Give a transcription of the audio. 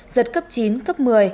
giật cấp chín cấp một mươi